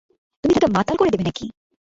তুমি তাকে মাতাল করে দেবে নাকি?